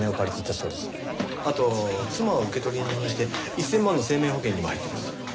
あと妻を受取人にして１０００万の生命保険にも入っています。